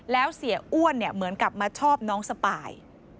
แล้วเสียอ้วนเหมือนกับมาชอบน้องสปาย